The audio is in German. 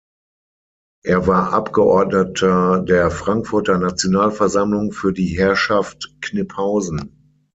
Er war Abgeordneter der Frankfurter Nationalversammlung für die Herrschaft Kniphausen.